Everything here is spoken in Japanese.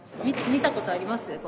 見たことあります？